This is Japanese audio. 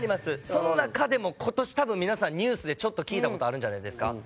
その中でも今年多分皆さんニュースでちょっと聞いた事あるんじゃないですか？